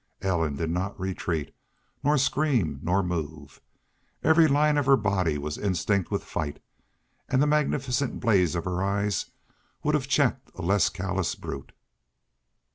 Ellen did not retreat, nor scream, nor move. Every line of her body was instinct with fight, and the magnificent blaze of her eyes would have checked a less callous brute.